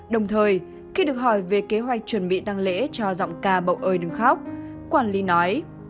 đồng thời khi được hỏi về kế hoạch chuẩn bị tăng lễ cho giọng ca bầu ơi đường khóc quản lý nói